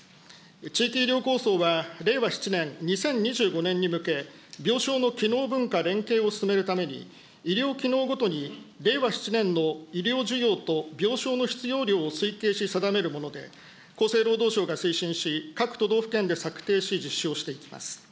地域医療構想は、令和７年・２０２５年に向け、病床のを医療機能ごとに、令和７年度医療事業と病床の必要量を定めるもので、厚生労働省が推進し、各都道府県で策定し、実施をしていきます。